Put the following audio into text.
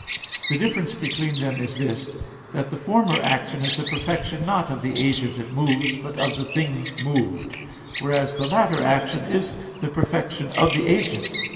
The difference between them is this, that the former action is the perfection not of the agent that moves, but of the thing moved; whereas the latter action is the perfection of the agent.